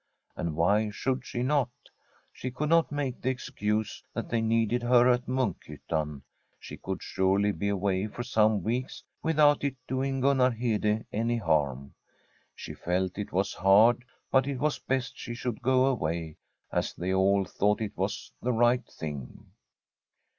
And why should she not? She could not make the excuse that they needed her at Munkhyttan. She could surely be away for some weeks without it doing Gunnar Hede any harm. She felt it was hard, but it was best she should go away, as they all thought it was the right thing.